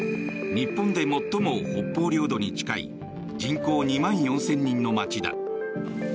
日本で最も北方領土に近い人口２万４０００人の街だ。